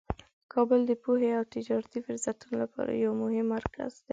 کابل د پوهې او تجارتي فرصتونو لپاره یو مهم مرکز دی.